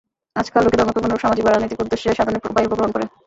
আজকাল লোকে ধর্মকে কোনরূপ সামাজিক বা রাজনৈতিক উদ্দেশ্য-সাধনের উপায়রূপে গ্রহণ করে।